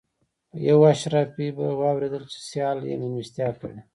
یو اشرافي به واورېدل چې سیال یې مېلمستیا کړې.